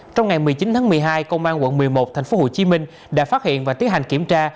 trong ngày một mươi chín tháng một mươi hai công an quận một mươi một tp hcm đã phát hiện và tiến hành kiểm tra